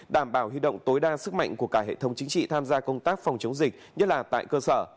đảm bảo huy động tối đa sức mạnh của cả hệ thống chính trị tham gia công tác phòng chống dịch nhất là tại cơ sở